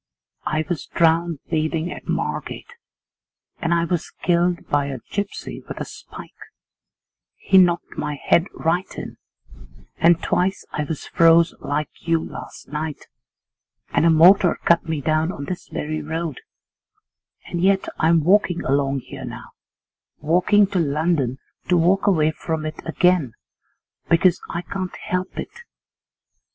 I was drowned bathing at Margate, and I was killed by a gypsy with a spike; he knocked my head right in, and twice I was froze like you last night, and a motor cut me down on this very road, and yet I'm walking along here now, walking to London to walk away from it again, because I can't help it.